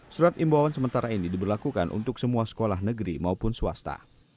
surat imbauan sementara ini diberlakukan untuk semua sekolah negeri maupun swasta